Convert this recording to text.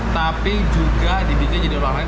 tapi juga dibikin dari ada yang seperti apa